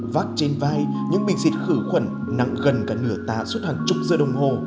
vác trên vai những bình xịt khử khuẩn nặng gần cả nửa tả suốt hàng chục giờ đồng hồ